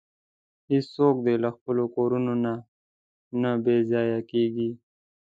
هیڅوک دې له خپلو کورونو نه بې ځایه کیږي.